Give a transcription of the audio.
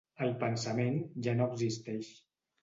El pensament ja no existeix.